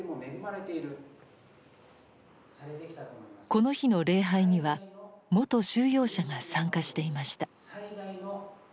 この日の礼拝には元収容者が参加していました。